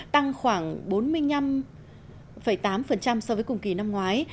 tăng khoảng bốn mươi năm tám so với cùng kỳ năm ngoái